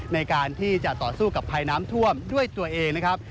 ในการที่จะต่อสู้กับภัยน้ำท่วมด้วยตัวเองนะครับ